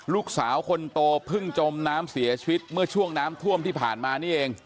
ลูกสาวคนโตเพิ่งจมน้ำเสียชีวิตเมื่อช่วงน้ำท่วมที่ผ่านมานี่เอง